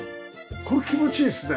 これ気持ちいいですね。